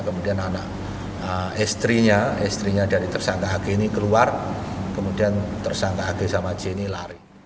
kemudian anak istrinya istrinya dari tersangka hg ini keluar kemudian tersangka hg sama j ini lari